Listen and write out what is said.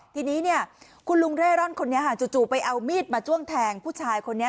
ทีนี้เนี่ยคุณลุงเร่ร่อนคนนี้จู่ไปเอามีดมาจ้วงแทงผู้ชายคนนี้